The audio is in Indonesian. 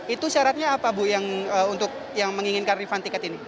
itu syaratnya apa bu yang untuk yang menginginkan refund tiket ini